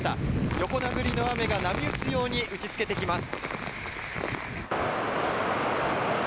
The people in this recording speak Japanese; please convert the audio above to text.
横殴りの雨が波打つように打ちつけてきます。